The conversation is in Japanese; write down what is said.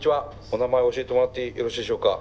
お名前教えてもらってよろしいでしょうか？